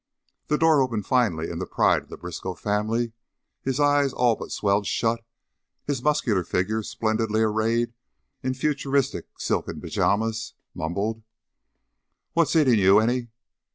The door opened finally and the pride of the Briskow family, his eyes all but swelled shut, his muscular figure splendidly arrayed in futuristic silken pajamas, mumbled: "What's eatin' you, any